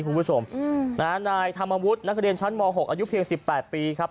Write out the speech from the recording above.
คุณผู้ชมนะฮะนายธรรมวุฒินักเรียนชั้นม๖อายุเพียง๑๘ปีครับ